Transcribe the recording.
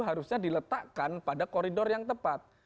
harusnya diletakkan pada koridor yang tepat